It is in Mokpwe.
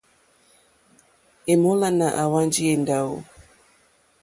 Èmólánà àhwánjì èndáwò.